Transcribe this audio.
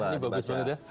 ini bagus banget ya